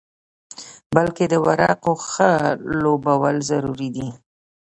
بلکې د ورقو ښه لوبول ضروري دي.